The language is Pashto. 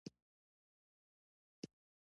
که ځان بدل کړو، واک به هم بدل شي.